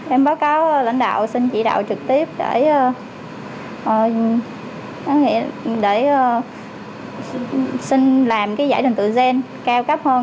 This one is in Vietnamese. em báo cáo lãnh đạo xin chỉ đạo trực tiếp để xin làm giải đình tựa gen cao cấp hơn